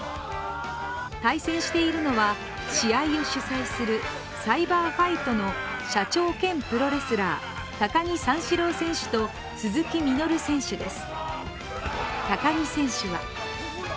対戦しているのは試合を主催するサイバーファイトの社長兼プロレスラー高木三四郎選手と鈴木みのる選手です。